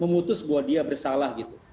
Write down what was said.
memutus bahwa dia bersalah gitu